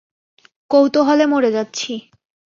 কৌতূহলে মরে যাচ্ছি।